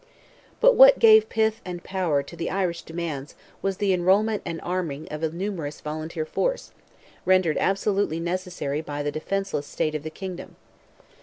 But what gave pith and power to the Irish demands was the enrolment and arming of a numerous volunteer force, rendered absolutely necessary by the defenceless state of the kingdom.